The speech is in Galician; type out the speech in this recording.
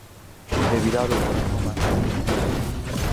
De virar o corazón á herdanza.